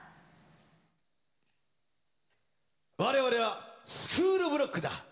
我々はスクールオブロックだ！